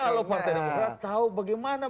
kalau partai partai demokrasi tahu bagaimana